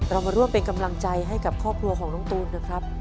เรามาร่วมเป็นกำลังใจให้กับครอบครัวของน้องตูนนะครับ